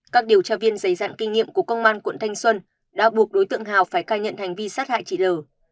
các điều tra viên giấy dạng kinh nghiệm của công an tp hà nội đã buộc đối tượng hào phải ca nhận hành vi sát hại chị l